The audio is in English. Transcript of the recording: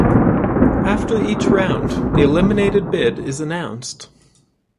After each round, the eliminated bid is announced.